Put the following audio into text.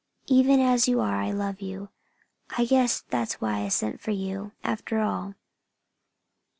Even as you are, I love you! I guess that's why I sent for you, after all.